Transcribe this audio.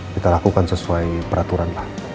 kita lakukan sesuai peraturan